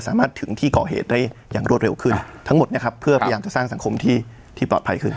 สามารถถึงที่ก่อเหตุได้อย่างรวดเร็วขึ้นทั้งหมดนะครับเพื่อพยายามจะสร้างสังคมที่ที่ปลอดภัยขึ้น